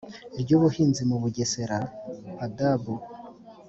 ry ubuhinzi mu bugesera padab